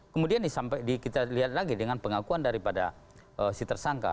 kemudian kita lihat lagi dengan pengakuan daripada si tersangka